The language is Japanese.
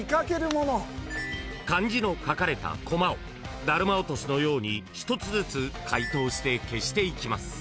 ［漢字の書かれたコマをダルマ落としのように１つずつ解答して消していきます］